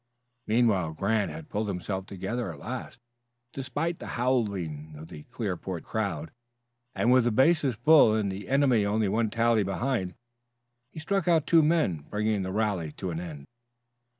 Meanwhile Grant had pulled himself together at last, despite the howling of the Clearport crowd, and, with the bases full and the enemy only one tally behind, he struck out two men, bringing the rally to an end.